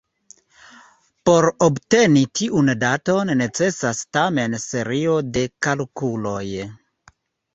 Por obteni tiun daton necesas tamen serio de kalkuloj.